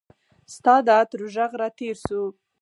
ستا د عطرو ږغ راتیر سو